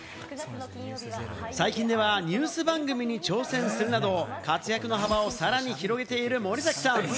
最近ではニュース番組に挑戦するなど、活躍の幅をさらに広げている森崎さん。